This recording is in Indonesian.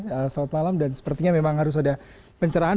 selamat malam dan sepertinya memang harus ada pencerahan